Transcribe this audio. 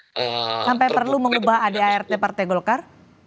sampai perlu mengubah adart partai golkar